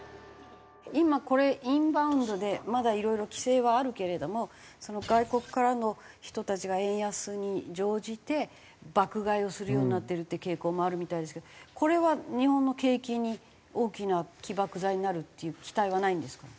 今これインバウンドでまだいろいろ規制はあるけれども外国からの人たちが円安に乗じて爆買いをするようになってるって傾向もあるみたいですけどこれは日本の景気に大きな起爆剤になるっていう期待はないんですか？